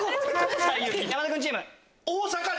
山田君チーム。